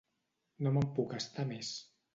No me'n puc estar més.